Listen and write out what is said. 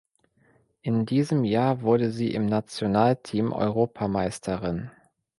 In diesem Jahr wurde sie im Nationalteam Europameisterin.